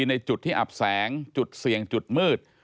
ในจุดที่อับแสงจุดเสี่ยงจุดมืด